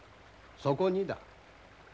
そこにだ